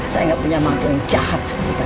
saya gak punya mantu yang jahat seperti kamu